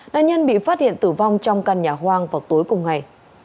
nạn nhân bị phát hiện tử vong trong căn nhà hoang vào tối cùng ngày